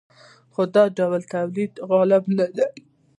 خو دا ډول تولید غالب نه و.